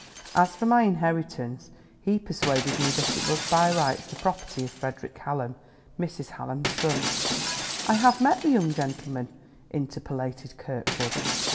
As for my inheritance, he persuaded me that it was by rights the property of Frederick Hallam, Mrs. Hallam's son." "I have met the young gentleman," interpolated Kirkwood.